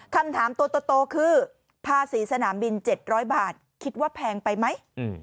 คำถามตัวโตคือภาษีสนามบิน๗๐๐บาทคิดว่าแพงไปไหม